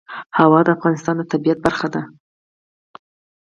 هوا د افغانستان د طبیعت برخه ده.